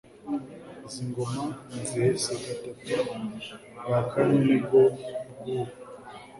Izi ngoma nzihese gatatu Ubwa kane ni bwo bw'ubu.